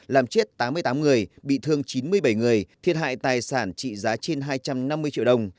làm chết tám mươi tám người bị thương chín mươi bảy người thiệt hại tài sản trị giá trên hai trăm năm mươi triệu đồng